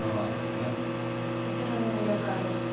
どちらも魅力ありますか。